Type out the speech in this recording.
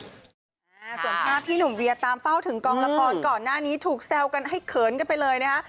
ส่วนภาพที่หนุ่มเวียตามเฝ้าถึงกองละครก่อนหน้านี้ถูกแซวกันให้เขินกันไปเลยนะคะ